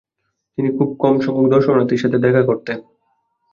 তিনি খুব কমসংখ্যক দর্শনার্থীর সাথে দেখা করতেন।